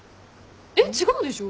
えっ違うでしょ。